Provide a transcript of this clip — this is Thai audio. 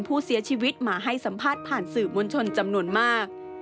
ผู้เสียชีวิตมาให้สัมภาษณ์ผ่านสื่อมวลชนจำนวนมาก